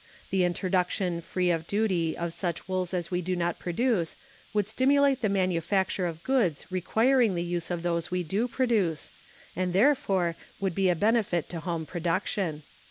The introduction free of duty of such wools as we do not produce would stimulate the manufacture of goods requiring the use of those we do produce, and therefore would be a benefit to home production.